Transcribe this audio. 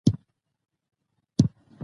او ښځه د کور شوه.